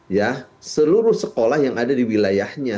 ya seluruh sekolah yang ada di wilayahnya